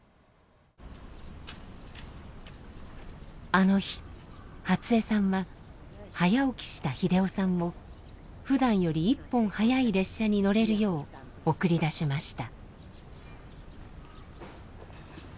あの日初恵さんは早起きした秀雄さんをふだんより１本早い列車に乗れるよう送り出しました。